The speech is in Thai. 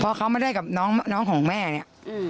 พ่อเขามาได้กับน้องของแม่นี่